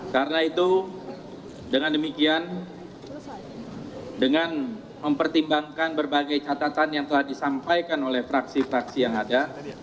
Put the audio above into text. karena itu dengan demikian dengan mempertimbangkan berbagai catatan yang telah disampaikan oleh fraksi fraksi yang ada